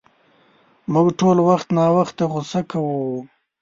مونږ ټول وخت ناوخته غصه کوو.